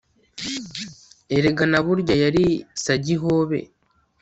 erega na burya yari sagihobe